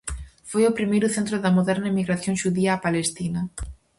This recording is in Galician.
Foi o primeiro centro da moderna inmigración xudía a Palestina.